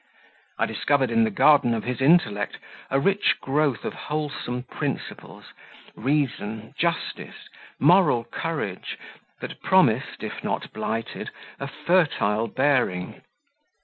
I discovered in the garden of his intellect a rich growth of wholesome principles reason, justice, moral courage, promised, if not blighted, a fertile bearing.